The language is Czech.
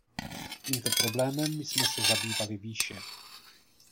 Tímto problémem jsme se zabývali výše.